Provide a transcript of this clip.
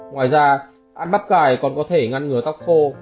ngoài ra ăn bắp cải còn có thể ngăn ngừa tóc khô